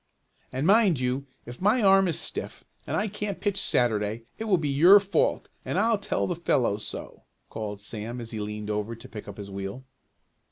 "And mind you, if my arm is stiff, and I can't pitch Saturday it will be your fault, and I'll tell the fellows so," called Sam as he leaned over to pick up his wheel.